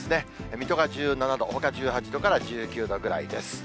水戸が１７度、ほか１８度から１９度ぐらいです。